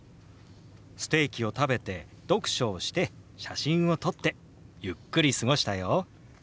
ステーキを食べて読書をして写真を撮ってゆっくり過ごしたよ。